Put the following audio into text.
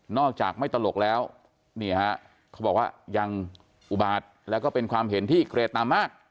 จากไม่ตลกแล้วนี่ฮะเขาบอกว่ายังอุบาตแล้วก็เป็นความเห็นที่เกรดตามมาก